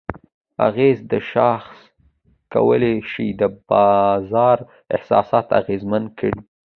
اغېز: دا شاخص کولی شي د بازار احساسات اغیزمن کړي؛